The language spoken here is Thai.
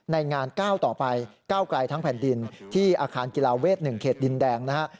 ในงานเก้าต่อไปเก้ากลายทั้งแผ่นดินที่อาคารกีฬาเวท๑เขตดินแดงนะครับ